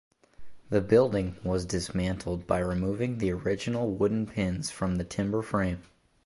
The building was dismantled by removing the original wooden pins from the timber frame.